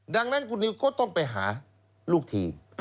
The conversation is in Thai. ดังนั้นคุณนิวก็ต้องไปหาลูกทีม